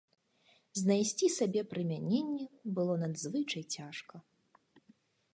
Знайсці сабе прымяненне было надзвычай цяжка.